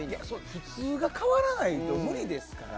普通が変わらないと無理ですから。